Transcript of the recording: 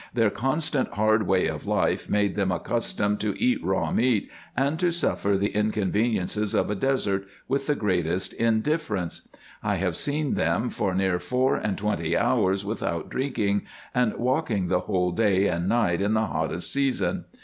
Their con stant hard way of life made them accustomed to eat raw meat, and to suffer the inconveniences of a desert with the greatest indif ference. I have seen them for near four and twenty hours without drinking, and walking the whole day and night in the hottest season.